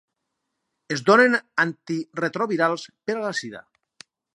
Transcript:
Es donen antiretrovirals per a la sida.